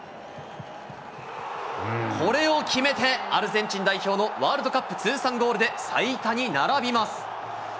これを決めて、アルゼンチン代表のワールドカップ通算ゴールで最多に並びます。